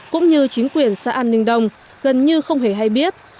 cũng như chính quyền xã an ninh đông gần như không hề hay biết